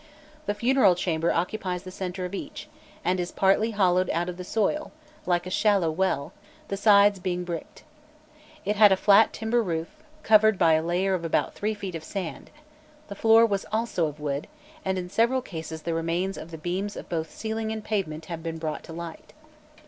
The funeral chamber occupies the centre of each, and is partly hollowed out of the soil, like a shallow well, the sides being bricked. It had a flat timber roof, covered by a layer of about three feet of sand; the floor also was of wood, and in several cases the remains of the beams of both ceiling and pavement have been brought to light.